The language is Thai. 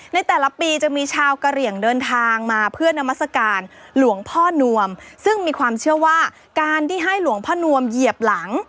ในแต่ละปีจะมีชาวกะเหลี่ยงเดินทางมาเพื่อนามัศกาลหลวงพ่อนวมซึ่งมีความเชื่อว่าการที่ให้หลวงพ่อนวมเหยียบหลัง